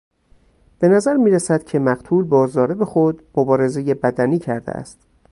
بنظر میرسد که مقتول با ضارب خود مبارزهی بدنی کرده است.